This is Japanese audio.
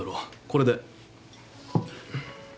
これで。